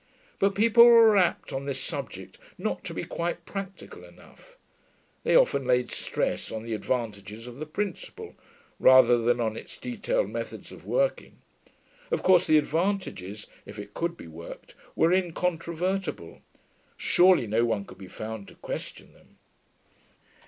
But people were apt, on this subject, not to be quite practical enough; they often laid stress on the advantages of the principle, rather than on its detailed methods of working. Of course the advantages, if it could be worked, were incontrovertible; surely no one could be found to question them.